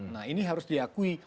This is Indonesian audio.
nah ini harus diakui